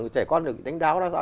chảy con được đánh đáo